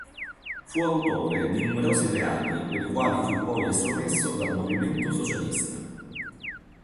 Fu autore di numerosi reati per i quali fu poi estromesso dal movimento socialista.